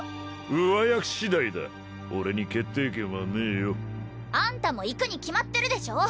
上役次第だ俺に決定権はねえよあんたも行くに決まってるでしょ